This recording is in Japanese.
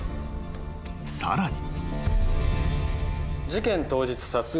［さらに］